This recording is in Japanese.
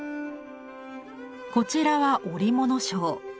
こちらは織物商。